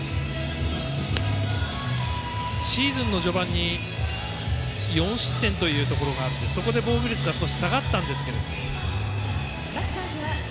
シーズンの序盤に４失点というところがあってそこで防御率が少し下がったんですけども。